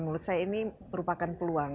menurut saya ini merupakan peluang